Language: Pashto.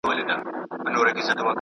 هر انسان ته د ژوند حق ورکړئ.